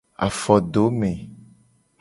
Afodome.